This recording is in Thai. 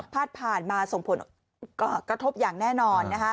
ผ่านมาส่งผลกระทบอย่างแน่นอน